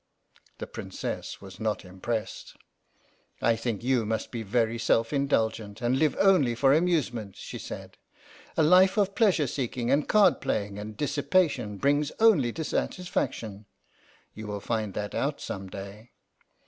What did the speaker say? The Princess was not impressed. " I think you must be very self indulgent and live only for amusement," she said, "a life of pleasure seeking and card playing and dissipation brings only dissatisfaction. You will find that out some day."